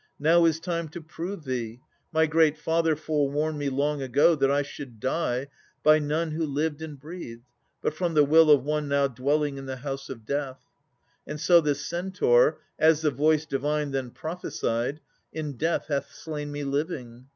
Now is time to prove thee. My great father Forewarned me long ago that I should die By none who lived and breathed, but from the will Of one now dwelling in the house of death. And so this Centaur, as the voice Divine Then prophesied, in death hath slain me living.